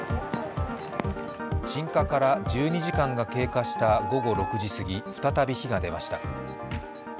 鎮火から１２時間が経過した午後６時過ぎ、再び火が出ました。